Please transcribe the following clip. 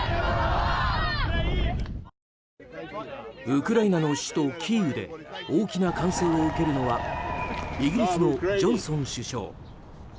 ウクライナの首都キーウで大きな歓声を受けるのはイギリスのジョンソン首相。